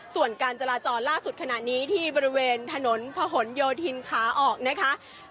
ส่วนการจราจรล่าสุดขณะนี้ที่บริเวณถนนพะหนโยธินขาออกนะคะ